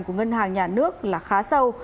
của ngân hàng nhà nước là khá sâu